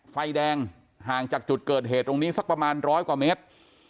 ไฟแดงห่างจากจุดเกิดเหตุตรงนี้สักประมาณร้อยกว่าเมตร